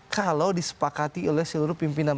kalau disepakati oleh seluruh pimpinan